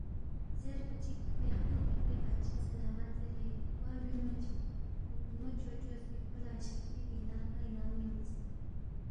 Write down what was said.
زیربا چِک، لیخمو گِک لے بادشاہ سلامت زیرے گوا بیُونگما چِک، ہُوکھنمو چوچو سی کھو لہ اشرفی دینار غا اِنعام مِنس